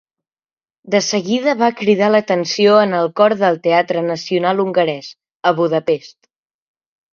De seguida va cridar l'atenció en el cor del Teatre Nacional Hongarès a Budapest.